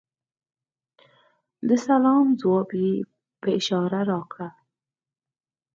د سلام ځواب یې په اشاره راکړ .